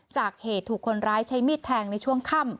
จากเหตุถูกคนร้ายใช้มีดแทงในช่วงค่ำ